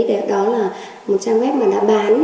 đó là một trang web mà đã bán